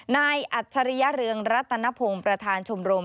นายอัศริยะเรืองรัฐนพงษ์ประธานชมรม